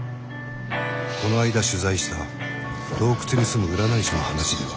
この間取材した洞窟に住む占い師の話では。